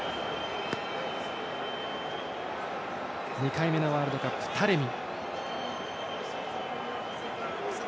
２回目のワールドカップ、タレミ。